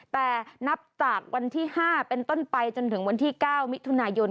แต่นับจากวันที่๕เป็นต้นไปจนถึงวันที่๙มิถุนายน